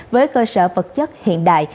với cơ sở vật chất hiện đại